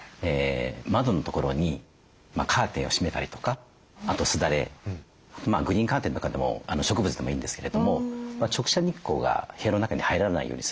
窓のところにカーテンを閉めたりとかあとすだれグリーンカーテンとかでも植物でもいいんですけれども直射日光が部屋の中に入らないようにする。